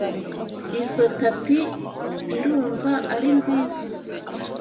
Izoi tapi irumva ari nziza.